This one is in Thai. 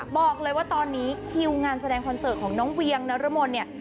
บอกเลยว่าตอนนี้คิวงานแสดงคอนเสิร์ตของน้องเวียงนรมนเนี่ย